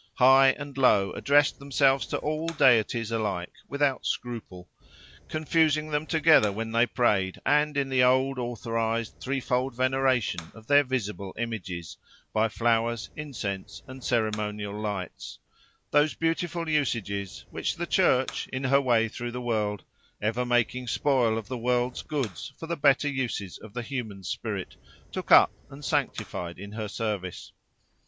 High and low addressed themselves to all deities alike without scruple; confusing them together when they prayed, and in the old, authorised, threefold veneration of their visible images, by flowers, incense, and ceremonial lights—those beautiful usages, which the church, in her way through the world, ever making spoil of the world's goods for the better uses of the human spirit, took up and sanctified in her service.